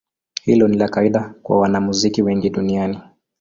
Hilo ni la kawaida kwa wanamuziki wengi duniani.